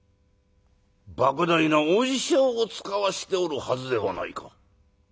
莫大な恩賞を遣わしておるはずではないか。